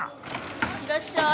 いらっしゃい。